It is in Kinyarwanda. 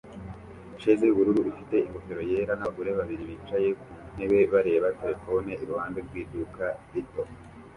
sheze yubururu ifite ingofero yera nabagore babiri bicaye ku ntebe bareba terefone iruhande rw iduka rito